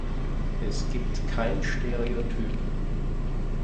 Es gibt kein Stereotyp.